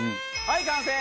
はい完成！